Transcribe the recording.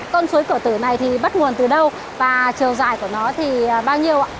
con suối cửa tử này thì bắt nguồn từ đâu và chiều dài của nó thì bao nhiêu ạ